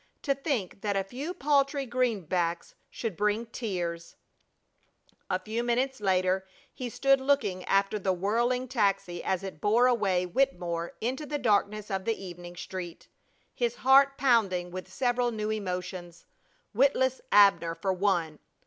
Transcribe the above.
To think that a few paltry greenbacks should bring tears! A few minutes later he stood looking after the whirling taxi as it bore away Wittemore into the darkness of the evening street, his heart pounding with several new emotions. Witless Abner for one!